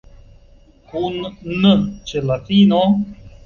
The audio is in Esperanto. Kun n ĉe la fino?